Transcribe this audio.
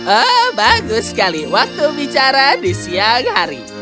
oh bagus sekali waktu bicara di siang hari